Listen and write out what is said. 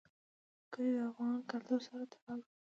کلي د افغان کلتور سره تړاو لري.